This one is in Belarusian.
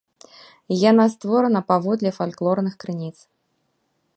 Яна створана паводле фальклорных крыніц.